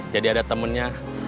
jadi ada temennya